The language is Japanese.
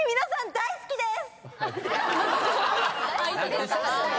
大好きです！